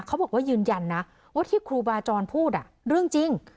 เขาบอกว่ายืนยันนะว่าที่ครูบาจรพูดเรื่องจริง